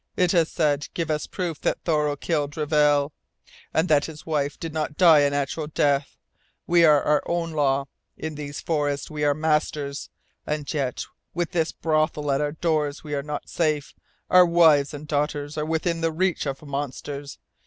It has said: 'Give us proof that Thoreau killed Reville, and that his wife did not die a natural death.' We are our own law. In these forests we are masters. And yet with this brothel at our doors we are not safe, our wives and daughters are within the reach of monsters.